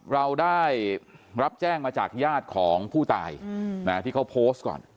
เราได้รับแจ้งมาจากญาติของผู้ตายที่เขาโพสต์ก่อน